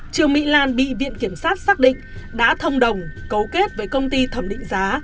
trương mỹ lan bị viện kiểm sát xác định đã thông đồng cấu kết với công ty thẩm định giá